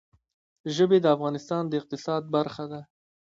ژبې د افغانستان د اقتصاد برخه ده.